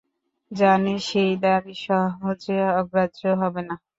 জানে সেই দাবি সহজে অগ্রাহ্য হবে না।